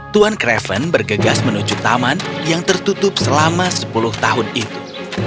tuan craven bergegas menuju taman yang tertutup selama sepuluh tahun itu